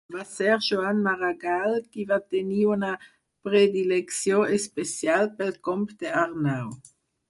Va ser Joan Maragall qui va tenir una predilecció especial pel Comte Arnau.